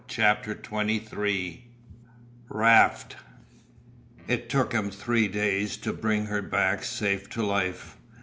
CHAPTER XXIII RAFT It took him three days to bring her back safe to life.